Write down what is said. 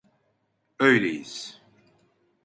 Öyleyiz.